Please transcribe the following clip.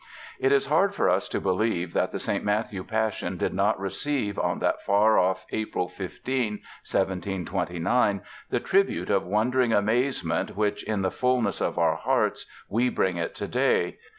It is hard for us to believe that the St. Matthew Passion did not receive on that far off April 15, 1729, the tribute of wondering amazement which in the fullness of our hearts we bring it today.